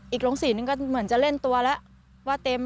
โรงศรีนึงก็เหมือนจะเล่นตัวแล้วว่าเต็ม